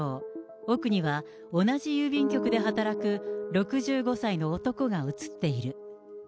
奥には同じ郵便局で働く６５歳の男が映っている。